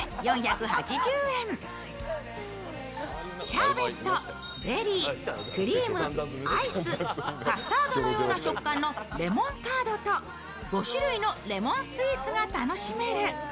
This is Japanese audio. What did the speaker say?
シャーベットゼリー、クリーム、アイスカスタードのような食感のレモンカードと５種類のレモンスイーツが楽しめる